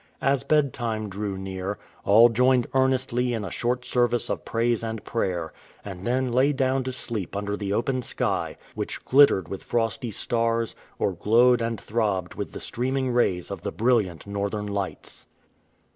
As bedtime drew near, all joined earnestly in a short service of praise and prayer, and then lay down to sleep under the open sky, which glittered with frosty stars, or glowed and throbbed with the streaming rays of the brilliant Northern Lights.